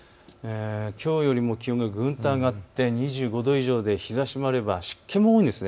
きょうよりも気温がぐんと上がって２５度以上で日ざしもあれば湿気も多いんです。